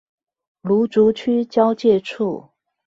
蘆竹區交界處